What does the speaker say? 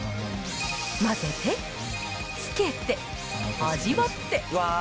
混ぜて、つけて、味わって。